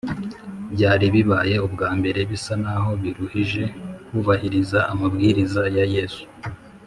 byari bibaye ubwa mbere bisa n’aho biruhije kubahiriza amabwiriza ya yesu